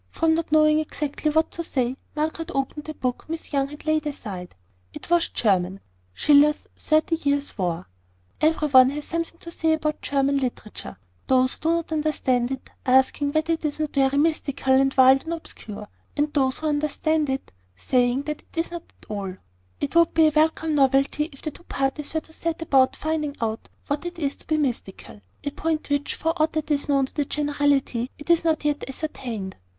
From not knowing exactly what to say, Margaret opened the book Miss Young had laid aside. It was German Schiller's Thirty Years' War. Every one has something to say about German literature; those who do not understand it asking whether it is not very mystical, and wild, and obscure; and those who do understand it saying that it is not so at all. It would be a welcome novelty if the two parties were to set about finding out what it is to be mystical, a point which, for aught that is known to the generality, is not yet ascertained.